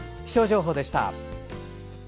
気象情報でした。